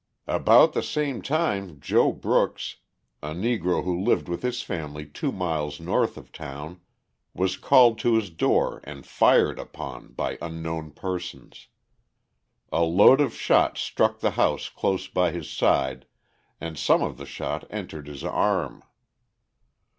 About the same time Joe Brooks, a Negro who lived with his family two miles north of town, was called to his door and fired upon by unknown persons. A load of shot struck the house close by his side and some of the shot entered his arm.